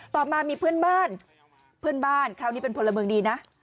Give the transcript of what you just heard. ต่อมามีเพื่อนบ้านเพื่อนบ้านคราวนี้เป็นพลเมืองดีนะ